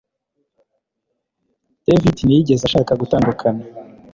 David ntiyigeze ashaka gutandukana